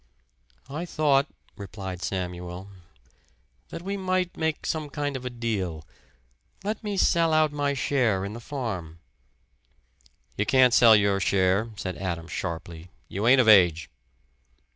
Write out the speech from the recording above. "I thought," replied Samuel, "that we might make some kind of a deal let me sell out my share in the farm." "You can't sell your share," said Adam, sharply. "You ain't of age."